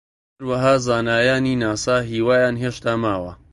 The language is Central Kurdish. هەروەها زانایانی ناسا هیوایان هێشتا ماوە